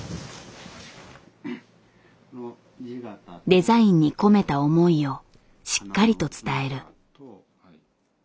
デザインに込めた思いをしっかりと伝える。